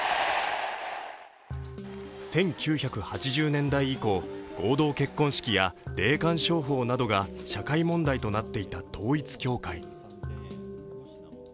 １９８０年代以降、合同結婚式や霊感商法などが社会問題となっていた統一教会。